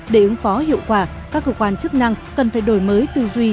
để ứng phó hiệu quả các cơ quan chức năng cần phải đổi mới tư duy